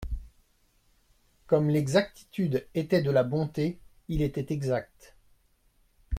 Comme l'exactitude était de la bonté, il était exact.